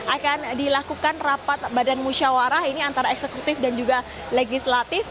akan dilakukan rapat badan musyawarah ini antara eksekutif dan juga legislatif